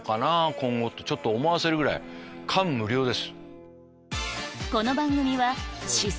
今後ってちょっと思わせるぐらい感無量です。